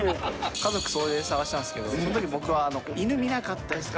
家族総出で捜したんですけど、そのとき僕は犬見なかったですか？